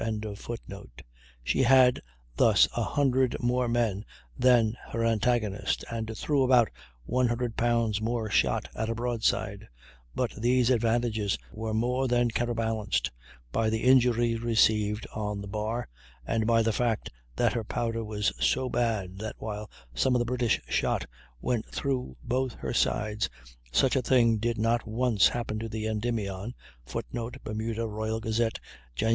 ] She had thus a hundred more men than her antagonist and threw about 100 pounds more shot at a broadside; but these advantages were more than counterbalanced by the injuries received on the bar, and by the fact that her powder was so bad that while some of the British shot went through both her sides, such a thing did not once happen to the Endymion, [Footnote: Bermuda "Royal Gazette," Jan.